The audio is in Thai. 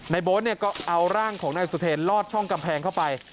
โบ๊ทเนี่ยก็เอาร่างของนายสุเทรนลอดช่องกำแพงเข้าไป